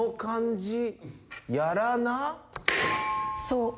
そう。